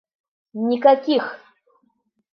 Никаких!